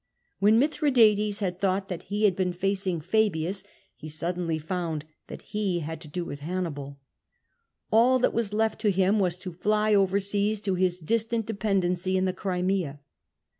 When Mithradates had thought that he had been facing Pabius, he suddenly found that he had to do with Hannibal. All that was left to him was to fly over seas to his distant dependency in the Crimea.